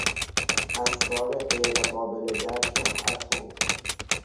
اسرار غیرقابل درک اتم